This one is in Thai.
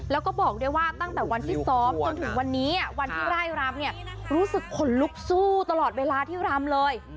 แล้วก็บอกด้วยว่าตั้งแต่วันที่ซ้อมจนถึงวันนี้วันที่ไล่รำเนี่ยรู้สึกขนลุกสู้ตลอดเวลาที่รำเลย